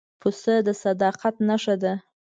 پسه د صداقت نښه ده.